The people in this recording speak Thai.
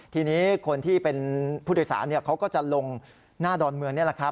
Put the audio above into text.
ทีนี้คนที่เป็นผู้โดยสารเขาก็จะลงหน้าดอนเมืองนี่แหละครับ